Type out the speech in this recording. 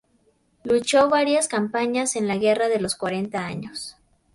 Luchó varias campañas en la Guerra de los Cuarenta Años.